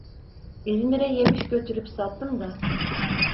İzmir'e yemiş götürüp sattım da…